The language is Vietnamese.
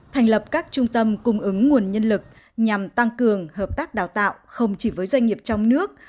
thành lập các trung tâm cung ứng nguồn nhân lực nhằm tăng cường hợp tác đào tạo không chỉ với doanh nghiệp trong nước